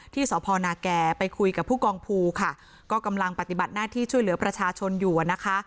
ที่สพนาแก่ไปคุยกับผู้กองภูค่ะก็กำลังปฏิบัติหน้าที่ช่วยเหลือประชาชนอยู่อะนะคะ